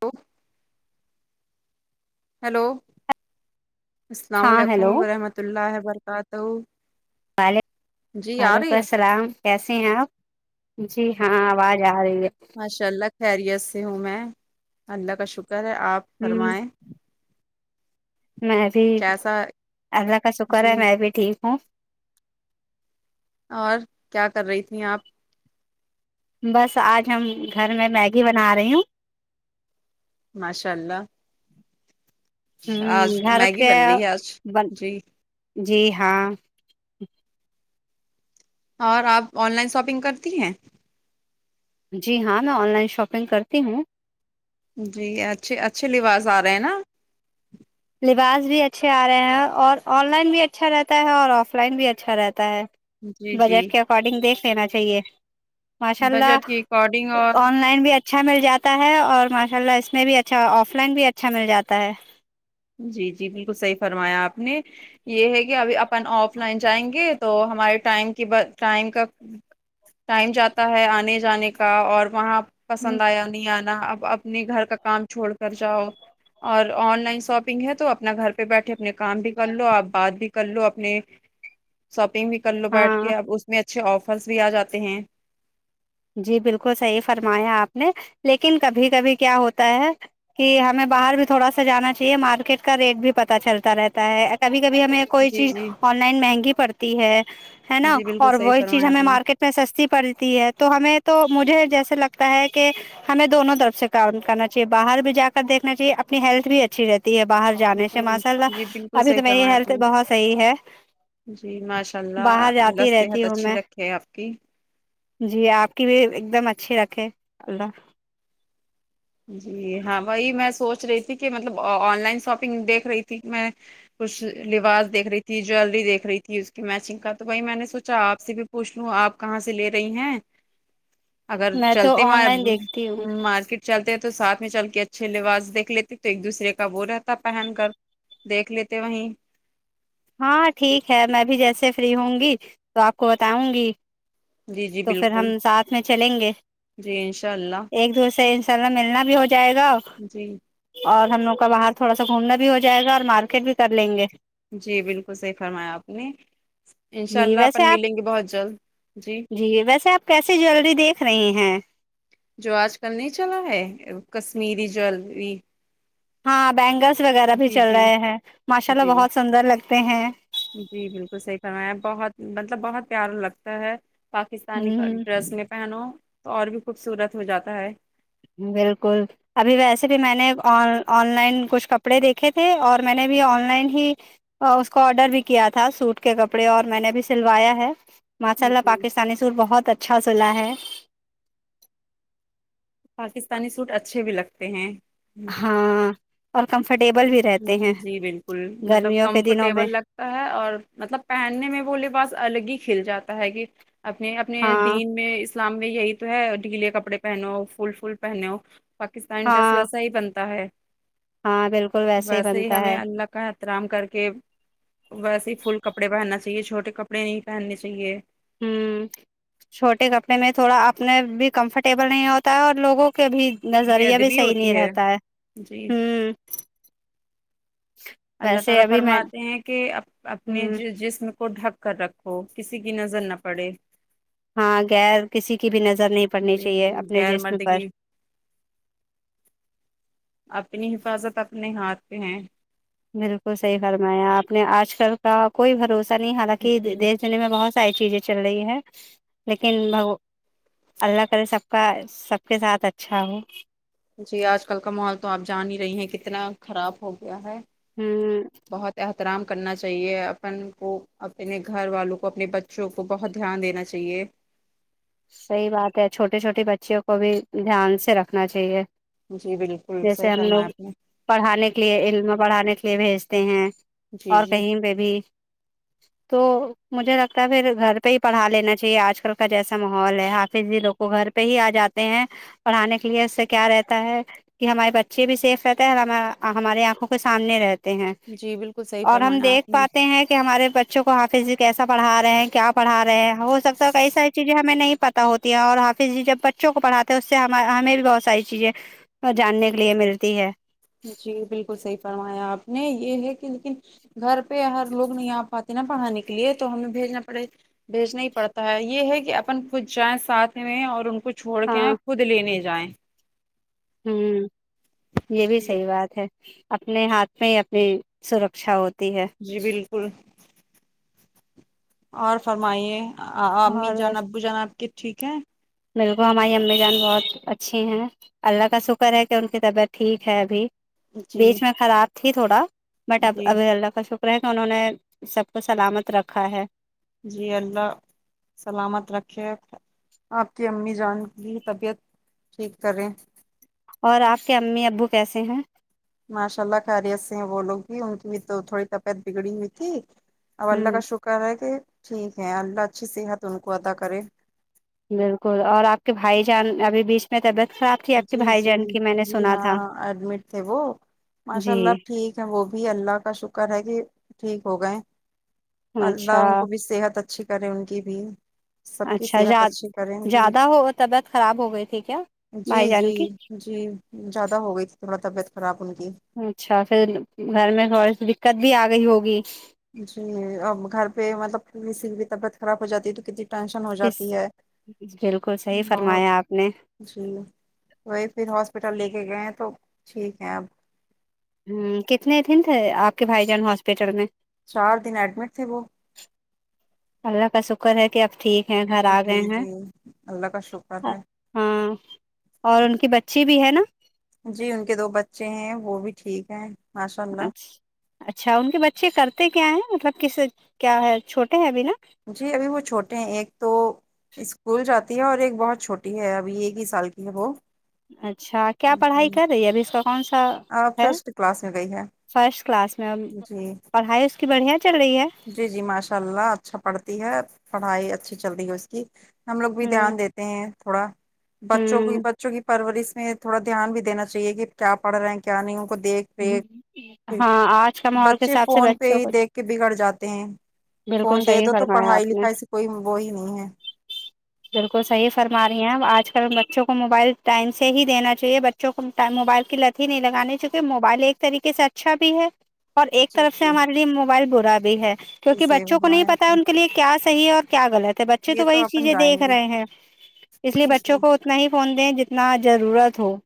وہ ہیلو السلام ہاں علیکم ہیلو ورحمۃ اللہ وبرکاتہ ول جی آ وعلیکم رہی ہے السلام کیسے ہیں آپ جی ہاں آواز آ رہی ہے ماشاء اللہ خیریت سے ہوں میں اللہ کا شکر ہے آپ ہ فرمائیں میں بھی کیسا اللہ کا شکر جی ہے میں بھی ٹھیک ہوں اور کیا کر رہی تھی آپ بس آج ہم گھر میں میگی بنا رہی ہوں ماشاء اللہ آج ہ گھر میگی کے بن رہی ہے آج بن جی جی ہاں اور آپ آن لائن شاپنگ کرتی ہیں جی ہاں میں آن لائن شاپنگ کرتی ہوں جی اچھے اچھے لباس آ رہے ہیں نا لباس بھی اچھے آ رہے ہیں اور آن لائن بھی اچھا رہتا ہے اور آف لائن بھی اچھا رہتا ہے جی جی بجٹ کے اکارڈنگ دیکھ لینا چاہیے ماشاء اللہ بجٹ کے اکارڈنگ اور آن لائن بھی اچھا مل جاتا ہے اور ماشاء اللہ اس میں بھی اچھا آف لائن بھی اچھا مل جاتا ہے جی جی بالکل صحیح فرمایا آپ نے یہ ہے کہ ابھی اپن آف لائن جائیں گے تو ہمارے ٹائم کی ٹائم کا ٹائم جاتا ہے آنے جانے کا اور وہاں پسند آیا نہیں آنا اب اپنے گھر کا کام چھوڑ کر جاؤ اور آن لائن شاپ پنگ ہے تو اپنا گھر پہ بیٹھے اپنے کام بھی کر لو آپ بات بھی کر لو اپنے شاپنگ بھی کر لو بیٹھ ہاں کے اب اس میں اچھے آفرس بھی آ جاتے ہیں جی بالکل صحیح فرمایا آپ نے لیکن کبھی کبھی کیا ہوتا ہے کہ ہمیں باہر بھی تھوڑا سا جانا چاہیے مارکیٹ کا ریٹ بھی پتتا چلتا رہتا ہے کبھی کبھی ہمیں کوئی جی چیز جی آن لائن مہنگی پڑتی ہے ہے نا جی بالکل اور صحیح وہی چیز فرمایا آپ ہمیں نے مارکیٹ پر سستی پڑتی ہے تو ہمیں تو مجھے جیسے لگتا ہے کہ ہمیں دونوں طرف سے کام کرنا چاہیے باہر بھی جا کر دھنا چاہیے اپنی ہیلتھ بھی اچھی رہتی باہر جانے سے جی ماشاء اللہ جی بالکل ابھی صحیح تو میری فرمایا آپ ہیلتھ نے بہت صحیح ہے جی ماشاء اللہ باہر اللہ جاتی صحت رہتی ہوں اچھی میں رکھے آپ کی جی آپ کی بھی ایک دم اچھی رکھے اللہ جی ہاں وہی میں سوچ رہی تھی کہ مطلب آن لائن شاپنگ دیکھ رہی تھی کہ میں کچھ لباس دیکھ رہی تھی جیلری دیکھ رہی تھی اس کی میچنگ کا تو وہی میں نے سوچا آپ سے بھی پوچھ لوں آپ کہاں سے لے رہی ہیں اگر میں تو چلتے آن مار لائن دیکھتی ہوں مارکیٹ چلتے تو ساتھ میں چل کے اچھے لباس دیکھ لیتے تو ایک دوسرے کا وہ رہتا پہن کر دیکھ لیتے وہیں ہاں ٹھیک ہے میں بھی جیسے فری ہوں گی تو آپ کو بتاؤں گی جی جی تو پھر ہم بالکل ساتھ میں چلیں گے جی انشاء اللہ ایک دوسرے کا ملنا بھی ہو جائے گا جی اور ہم لوگ کا باہر تھوڑا سا گھومنا بھی ہو جائے گا اور مارکیٹ بھی کر لیں گے جی بالکل صحیح فرمایا آپ نے انشاء جی اللہ ویسے اپن آپ ملیں گے بہت جلد جی جی ویسے آپ کیسے جیلری دیکھ رہے ہیں جو آج کل نہیں چلا ہے کشمیری جولری ہاں بینگلس وغیرہ بھی چل جی رہے ہیں ماشاء جی اللہ بال- بہت سندر لگتے ہیں جی بالکل صحیح فرمایا بہت مطلب بہت پیارا لگتا ہے پاکستانی کا ہ ڈریس میں پہنو تو اور بھی خوبصورت ہو جاتا ہے بالکل ابھی ویسے بھی میں نے آن لائن کچھ کپڑے دیکھے تھے اور میں نے بھی آن لائن ہی اس کو آڈر بھی کیا تھا سوٹ کے کپڑے اور میں نے بھی سلوایا ہے ماشاء اللہ جی پاکستانی سور بہت اچھا سلاح ہے پاکستانی سوٹ اچھے بھی لگتے ہیں ہاں اور کمفرٹیبل بھی رہتے جی ہیں جی بالکل مطلب گرمیوں کے دنوں میں کمفرٹیبل لگ ہے اور مطلب پہننے میں وہ لے پاس الگ ہی کھل جاتا ہے کہ اپنے اپنے ہاں دین میں اسلام میں یہی تو ہے ڈھیلے کپڑے پہنو فل فل پہنو پاکستانی ڈریس ہاں ویسا ہی بنتا ہے ہاں بالکل ویسے ہی بنتا ہے کا احترام کر کے ویسے ہی فل کپڑے پہننا چاہیے چھوٹے کپڑے نہیں پہننے چاہیے ہوں چھوٹے کپڑے میں تھوڑا اپنے بھی کمفرٹیبل نہیں ہوتا ہے اور لوگوں کے بھی بے نظریہ بھی ادبی صحیح ہوتی نہیں رہتا ہے جی ہوں اللہ ویسے تعالی ابھی میں فرماتے ہیں کہ اپنے ہ جسم کو ڈھک کر رکھو کسی کی نظر نہ پڑے ہاں غیر کسی کی بھی نظر نہیں پڑنی جی چاہیے جی اپنے غیر جسم پر مردگی اپنی حفاظت اپنے ہاتھ پہ ہیں بالکل صحیح فرمایا آپ نے آج کل کا کوئی بھروسہ نہیں حالانکہ جی دی سلع میں بہت ساری چیزیں چل رہی ہے لیکن بگ اللہ کرے سب کا سب کے ساتھ اچھا ہو جی آج کل کا ماحول تو آپ جان ہی رہی ہیں کتنا خراب ہو گیا ہے ہوں بہت احترام کرنا چاہیے اپن کو اپنے گھر والوں کو اپنے بچوں کو بہت دھیان دینا چاہیے صحیح بات ہے چھوٹے چھوٹے بچوں کو بھی دھیان سے رکھنا چاہیے جی بالکل جیسے صحیح ہم فرمایا لوگ آپ نے پڑھانے کے لیے علم بڑھانے کے لیے بھیجتے ہیں جی اور جی کہیں پہ بھی تو مجھے لگتا ہے پھر گھر پہ ہی پڑھا لینا چاہیے آج کل کا جیسا ا ماحول ہے حافظ ج لوگ کو گھر پہ ہی آ جاتے ہیں پڑھانے کے لیے اس سے کیا رہتا ہے کہ ہمارے بچے بھی سیف رہتے ہیں اور ہمارے آنکھوں کے سامنے رہ تے ہیں جی بالکل صحیح اور ہم فرمایا دیکھ آپ نے پاتے ہیں کہ ہمارے بچوں کو حافظی کیسا پڑھا رہے ہیں کہ آپ پڑا رہے ہیں وہ سب تو ایسا ہی ہمیں نہیں پتا ہوتی ہے اور حافظ جی جب بچوں کو پڑھاتے ہیں اس سے ہمیں بھی بہت ساری چیزیں اور جاننے کے لیے ملتی ہے جی بالکل صحیح فرمایا آپ نے یہ ہے کہ لیکن گھر پہ ہر لوگ نہیں آ پاتے نا پڑھانے کے لیے تو ہمیں بھیجنا پڑے بھیجنا ہی پڑتا ہے یہ ہے کہ اپن کچھ جائیں ساتھ میں اور ان کو چھوڑ کے ہاں آئیں خود لینے جائیں ہوں یہ بھی جی صحیح بات ہے اپنے ہاتھ میں ہی اپنی سرکشا ہوتی ہے جی بالکل اور فرمائیے امی جان ابو جان آپ کے ٹھیک ہے بالکل کو ہماری امی جان بہت اچھی ہیں اللہ کا شکر ہے کہ ان کی طبیعت ٹھیک ہے ابھی جی بیچ میں خراب تھی تھوڑا بٹ اب جی ابھی اللہ کا شکر کہ انہوں نے سب کو سلامت رکھا ہے جی اللہ سلامت رکھے آپ کی امی جان کی طبیعت ٹھیک کریں اور آپ کے امی ابو کیسے ہیں ماشاء اللہ خیریت سے ہے وہ لوگ بھی ان کی تو تھوڑی طبیعت بگڑی ہوئی تھی اب اللہ ہوں کا شکر ہے کہ ٹھیک ہے اللہ اچھی صحت ان کو عطا کرے بالکل اور آپ کے بھائی جان ابھی بیچ میں طبیعت خراب تھی آپ کے جی بھائی جان کی میں جی نے جی سنا ہاں تھا ایڈمٹ تھے وہ ماشاء جی اللہ ٹھیک وہ بھی اللہ کا شکر ہے کہ ٹھیک ہو گئے اللہ اچھا ان کو بھی صحت اچ اچھی کریں ان کی بھی سب کی اچھا صحت اچھی کریں ان کی زیادہ ہو طبیعت خراب ہو گئی تھی کیا جی بھائی جان جی کی جی زیادہ ہو گئی تھی تھوڑا طبیعت خراب ان کی اچھا پھر گھر میں تھوڑی سی دقت بھی آ گئی ہوگی جی اب گھر پہ مطلب کسی کی بھی طبیعت خراب ہو جاتی ہے تو کتنی ٹینشن ہو کس جاتی ہے بالکل صحیح بہت فرمایا آپ نے جی وہی پھر ہاسپٹل لے کے گئے ہیں تو ٹھیک ہے اب ہوں کتنے دن تھے آپ کے بھائی جان ہاسپٹل میں چار دن اڈمیٹ تھے وہ اللہ کا شکر ہے کہ اب ٹھیک ہیں گھر آ جی گئے ہیں جی اللہ کا شکر ہے ہاں اور ان کی بچی بھی ہے نا جی ان کے دو بچے ہیں وہ بھی ٹھیک ہیں ماشاء اچھ اللہ اچھا ان کے بچے کرتے کیا ہیں مطلب کس کیا ہے چھوٹے ہیں ابھی نا جی ابھی وہ چھوٹے ہیں ایک تو اسکول جاتی ہے اور ایک بہت چھوٹی ہے ابھی ایک ہی سال کی ہے وہ اچھا کیا پڑھائی جی کر رہی ہے ابھی اس کا کون سا آپ ہے فرسٹ کلاس میں گئی ہے فرسٹ کلاس میں ا جی پڑھائی اس کی بڑھیا چل رہی ہے جی جی ماشاء اللہ اچھا پڑھتی ہے پڑھائی اچھی چل رہی ہے اس کی ہم لوگ بھی ہ دھیان دیتے ہیں تھوڑا بچوں کی ہ بچوں کی پرورش میں تھوڑا دھیان بھی دینا چاہیے کہ کیا پڑھ رہے ہیں کیا نہیں ان کو دیکھ ہاں آج کا ماحول کے بچے حساب سے فون پہ بچوں ہی کو دیکھ کے بگڑ جات فون بالکل دے صحیح دو تو فرمایا پڑھائی آپ نے لکھائی سے کوئی وہ ہی نہیں ہے بالکل صحیح فرما رہی ہیں آج کل بچوں کو موبائل ٹائم سے ہی دینا چاہیے ب چوں موبائل کی لت ہی نہیں لگانی کہ موبائل ایک طریقے سے اچھا بھی ہے اور ایک جی طرف سے جی ہمارے لیے موبائل برا بھی ہے جی کیونکہ صحیح بچوں کو نہیں فرمایا پتا آپ ہے نے ان کے لیے کیا صحیح ہے اور کیا غلط بچے یہ تو وہی اپن چیزیں جائیں دیکھ گے رہے ہیں اس لیے جی بچوں کو اتنا ہی فون دیں جتنا ضرورت ہو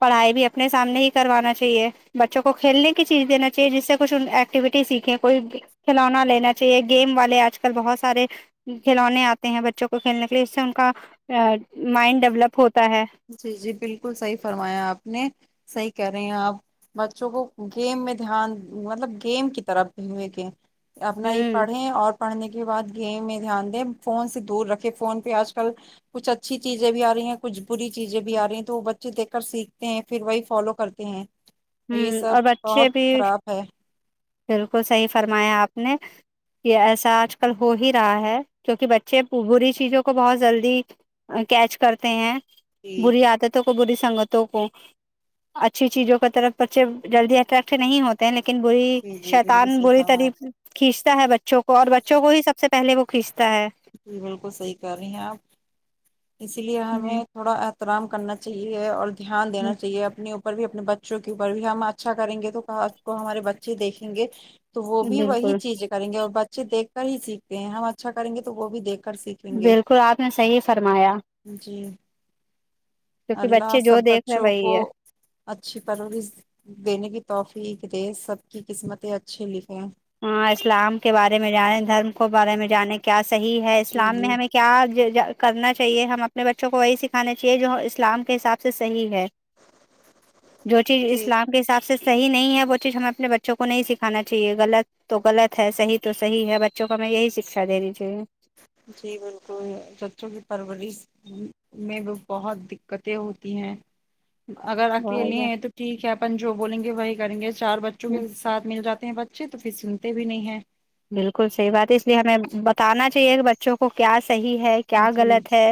پڑھائی بھی اپنے سامنے ہی کروانا چاہے بچوں کو کھیلنے کی چیز دینا چاہیے جس سے کچھ ایکٹیویٹی سیکھیں کوئی کھلونا لینا چاہیے گیم والے آج کل بہت سارے کھلونے آتے ہیں بچوں کو کھیلنے کے لیے اس سے ان کا مائنڈ ڈیولپ ہوتا ہے جی جی بالکل صحیح فرمایا آپ نے صحیح کہہ رہے ہیں آپ بچوں کو گیم میں دھیان مطلب گیم کی طرف بھی ہوئے کے اپنا یہ ہوں پڑھیں اور پڑھنے کے بعد گیم میں دھیان دیں فون سے دور رکھے فون پہ آج کل کچھ اچھی چیزیں بھی آ رہی ہیں کچھ بری چیزیں بھی آ رہی ہیں تو وہ بچے دیکھ کر سیکھتے ہیں پھر وہی فالو کرتے ہیں یہ ہوں سب اور بہت بچے بھی خراب ہے بالکل صحیح فرمایا آپ نے یہ ایسا آج کل ہو ہی رہا ہے کیونکہ بچے بری چیزوں کو بہت زلدی کیچ کرتے ہیں جی بری عادتوں کو بری سنگتوں کو اچھی چیزوں کی طرف بچے جلدی اٹریکٹ نہیں ہوتے ہیں لیکن ب جی جی شیتان بالکل صحیح بری فرمایا طریح آپ سے کھینچتا ہے بچوں کو اور بچوں کو ہی سب سے پہلے وہ کھینچتا ہے جی بالکل صحیح کر رہی ہیں آپ اس لیے ہمیں تھوڑا احترام کرنا چاہیے اور دھیان دینا چاہیے اپنے بھی اپنے بچوں کے اوپر بھی ہم اچھا کریں گے تو کل کو ہمارے بچے دیکھیں گے تو وہ بھی وہی بالکل چیزیں کریں گے اور بچے دیکھ کر ہی سیکھتے ہیں ہم اچھا کریں گے تو وہ بھی دیکھ کر سیکھ بالکل آپ نے صحیح فرمایا جی کیونکہ اللہ بچے جو سب دیکھ رہے بچوں کو وہی ہے اچھی پرورس دینے کی توفیق دے سب کی قسمتیں اچھے لکھیں ہاں اسلام کے بارے میں جانیں دھرم کو بارے میں جانیں کیا صحیح ہے جی اسلام میں جی ہم ایک کیا کرنا چاہیے ہم اپنے بچوں کو وہی سکھانا چاہیے جو اسلام کے حساب سے صحیح ہے جو چیز ٹھیک اسلام کے حساب صحیح نہیں ہے وہ چیز ہمیں اپنے بچوں کو نہیں سکھانا چاہیےغلط تو غلط ہے صحیح تو صحیح ہے بچوں کو ہمیں یہی شکشا دینی چاہیے جی بالکل بچوں کی پرورش میں بھی بہت دکتیں ہوتی ہیں اگر اکیلے بہت ہیں تو ٹھیک ہے اپن جو بولیں گے وہی کریں گے چار بچوں کے ساتھ مل جاتے ہیں ب اچھے تو پھر سنتے بھی نہیں ہیں بالکل صحیح بات ہے اس لیے ہمیں بتانا چاہیے کہ بچوں کو کیا صحیح ہے کیا جی غلط ہے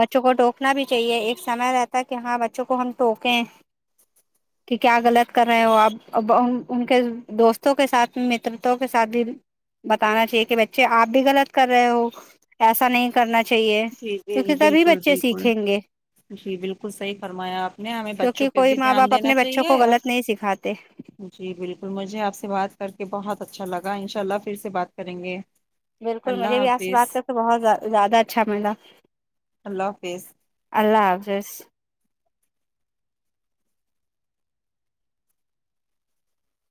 بچوں کو ٹوکنا بھی چاہیے ایک سمے رہتا کہ ہاں بچوں کو ہم ٹوکیں کہ کیا غلط کر رہے ہو آپ اب ان کے دوستوں کے ساتھ مترتاوں کے ساتھ بھی بتانا چاہیے کہ بچے آپ بھی غلط کر رہے ہو ایسا نہیں کرنا چاہیے جی جی کیونکہ تبھی بالکل بچے بالکل سیکھیں گے جی بالکل صحیح فرمایا آپ نے ہمیں بچوں کیونکہ پہ کوئی بھی ماں دھیان باپ دینا اپنے بچوں کو چاہیے اور غلط نہیں سکھاتے جی بالکل مجھے آپ سے بات کر کے بہت اچھا لگا ان شاء اللہ پھر سے بات کریں گے بالکل مجھے اللہ بھی آپ سے حافظ بات کر کے بہت زیا زیادہ اچھا ملا اللہ حافظ اللہ حافظ